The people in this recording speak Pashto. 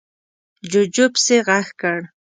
جُوجُو پسې غږ کړ: